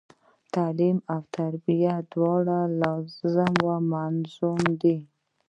تعلم او تربیه دواړه لاظم او ملظوم دي.